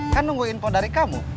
kan nunggu info dari kamu